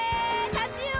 タチウオ。